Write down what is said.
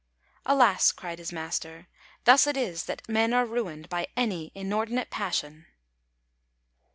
"Alas!" cried his master, "thus it is that men are ruined by any inordinate passion."